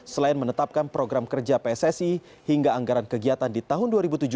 selain menetapkan program kerja pssi hingga anggaran kegiatan di tahun dua ribu tujuh belas